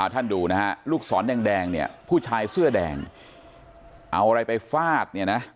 ท่านดูนะฮะลูกสอนแดงผู้ชายเสื้อแดงเอาอะไรไปฟาด